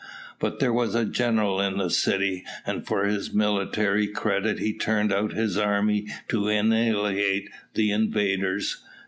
But there was a general in the city, and for his military credit he turned out his army to annihilate the invaders.